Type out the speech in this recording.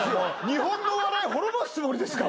日本のお笑い滅ぼすつもりですか？